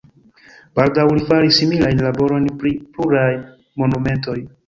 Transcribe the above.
Baldaŭ li faris similajn laborojn pri pluraj monumentoj.